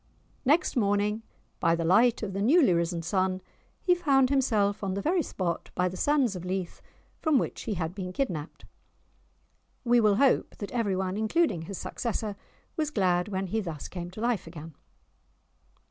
Next morning, by the light of the newly risen sun, he found himself on the very spot by the sands of Leith from which he had been kidnapped! We will hope that every one, including his successor, was glad when he thus came to life again.